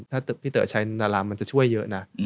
ถ้าที่มันตัวเต๋อว่าใช้ดาร้ามันจะช่วยเยอะนะ